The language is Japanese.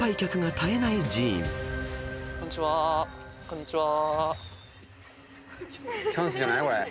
こんにちは。